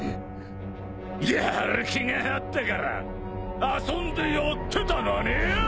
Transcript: やる気があったから遊んでやってたのによぉ！